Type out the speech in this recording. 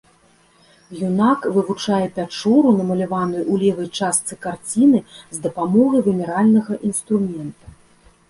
Юнак вывучае пячору, намаляваную ў левай частцы карціны, з дапамогай вымяральнага інструмента.